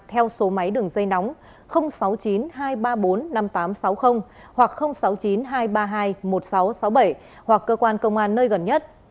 theo số máy đường dây nóng sáu mươi chín hai trăm ba mươi bốn năm nghìn tám trăm sáu mươi hoặc sáu mươi chín hai trăm ba mươi hai một nghìn sáu trăm sáu mươi bảy hoặc cơ quan công an nơi gần nhất